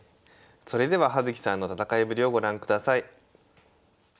それでは葉月さんの戦いぶりをご覧ください。